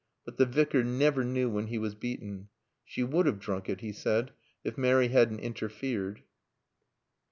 But the Vicar never knew when he was beaten. "She would have drunk it," he said, "if Mary hadn't interfered."